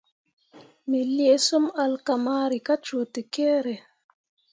Me lii sum alkamari kah cuu tekere.